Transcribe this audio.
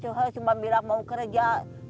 mingatnya katanya bilangnya cuma bilang mau kerja